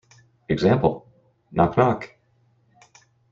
Example: Knock knock.